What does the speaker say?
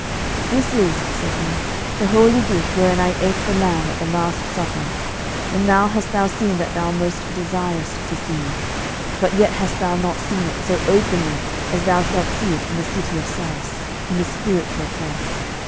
"This is," said He, "the holy dish wherein I ate the lamb at the Last Supper. And now hast thou seen that thou most desiredst to see, but yet hast thou not seen it so openly as thou shalt see it in the city of Sarras, in the spiritual place.